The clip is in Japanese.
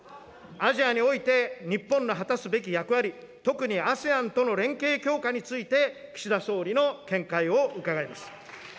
アジアにおいて日本の果たすべき役割、特にＡＳＥＡＮとの連携強化について岸田総理の見解を伺います。